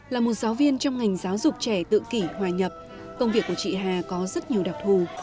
là một giáo viên trong ngành giáo dục trẻ tự kỷ hòa nhập công việc của chị hà có rất nhiều đặc thù